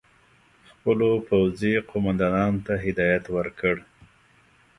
خپلو پوځي قوماندانانو ته هدایت ورکړ.